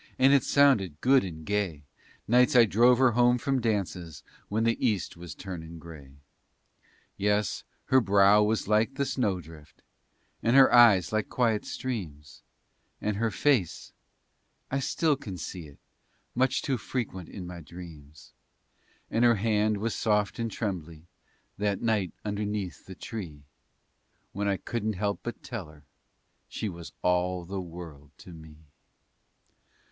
And it sounded good and gay Nights I drove her home from dances When the east was turnin' gray. Yes, "her brow was like the snowdrift" And her eyes like quiet streams, "And her face" I still kin see it Much too frequent in my dreams; And her hand was soft and trembly That night underneath the tree, When I couldn't help but tell her She was "all the world to me."